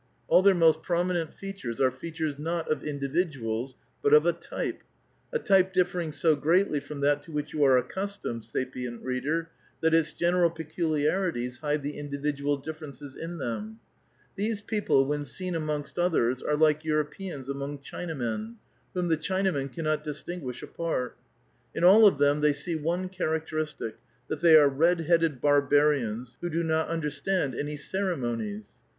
All their most prominent features are features not of indi viduals, but of a type ; a type differing so greatly from that to whicli you are accustomed, sapient reader, that its general peculiarities hide the individual differences in them. These people when seen amongst others, are like Europeans among Cliinamen, whom the Chinamen cannot distingdish apart. In all of them they see one cliaracteristic, that thej are "red headed barbarians, who do not understand any ceremonies."